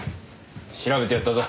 調べてやったぞ。